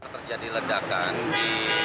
terjadi ledakan di